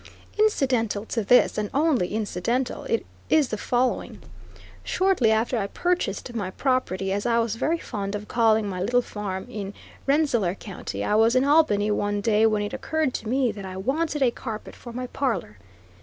Incidental to this, and only incidental, is the following: Shortly after I purchased my property, as I was very fond of calling my little farm, in Rensselaer County, I was in Albany one day when it occurred to me that I wanted a carpet for my parlor.